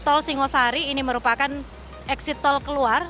tol singosari ini merupakan eksitor keluar